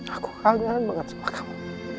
aku kaget banget sama kamu